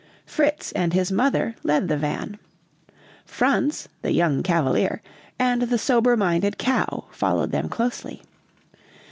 Fritz and his mother led the van. Franz (the young cavalier) and the sober minded cow followed them closely.